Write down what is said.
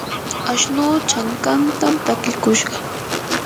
ashnuu chankantam pakikushqa.